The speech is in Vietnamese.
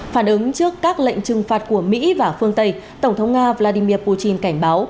phản ứng trước các lệnh trừng phạt của mỹ và phương tây tổng thống nga vladimir putin cảnh báo